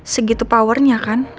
segitu powernya kan